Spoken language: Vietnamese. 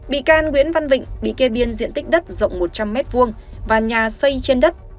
bị can nguyễn văn vịnh bị kê biên diện tích đất rộng một trăm linh m hai và nhà xây trên đất